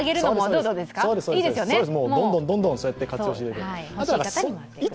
どんどんどんどんそうやって活用していく。